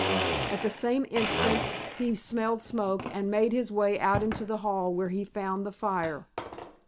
At the same instant he smelled smoke and made his way out into the hall where he found the fire.